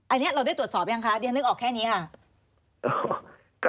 อันนี้เราได้ตรวจสอบหรือยังคะ